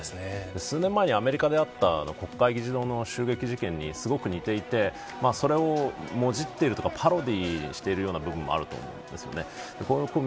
数年前にあったアメリカの国会議事堂の襲撃事件にすごく似ていてそれをもじっているパロディーしているような部分もあると思うんです。